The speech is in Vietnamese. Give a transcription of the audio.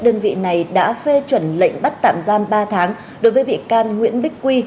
đơn vị này đã phê chuẩn lệnh bắt tạm giam ba tháng đối với bị can nguyễn bích quy